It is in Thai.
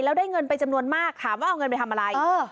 แล้วได้เงินไปจำนวนมากถามว่าเอาเงินไปทำอะไร